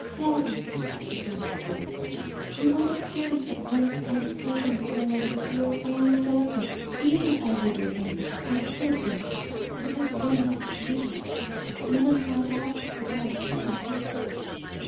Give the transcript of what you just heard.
"Father!" resumed the voice, "you understand that once Gwynplaine is no longer here, all is over. Even if I would remain, I could not, because one must breathe. We must not ask for that which is impossible.